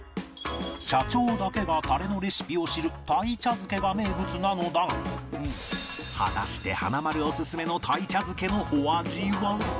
社長だけがタレのレシピを知る鯛茶漬けが名物なのだが果たして華丸オススメの鯛茶漬けのお味は？